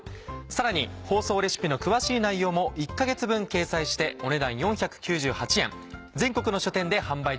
さらに放送レシピの詳しい内容も１か月分掲載してお値段４９８円。